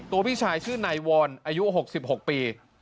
ตัวพี่ชายชื่อไนวอนอายุ๖๖ปี